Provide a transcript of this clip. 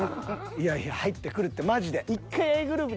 いやいや入ってくるってマジで。